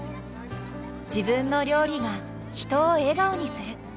自分の料理が人を笑顔にする。